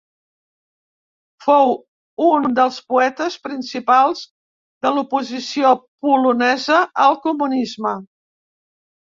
Fou un dels poetes principals de l'oposició polonesa al comunisme.